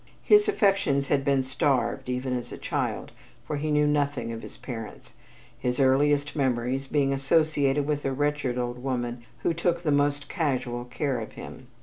His affections had been starved, even as a child, for he knew nothing of his parents, his earliest memories being associated with a wretched old woman who took the most casual care of him.